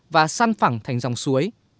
và săn phẳng thành dòng suối